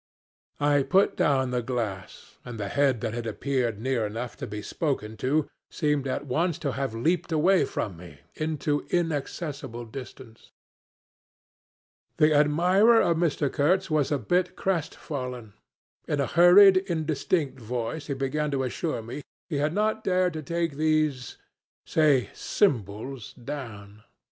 . I put down the glass, and the head that had appeared near enough to be spoken to seemed at once to have leaped away from me into inaccessible distance. "The admirer of Mr. Kurtz was a bit crestfallen. In a hurried, indistinct voice he began to assure me he had not dared to take these say, symbols down.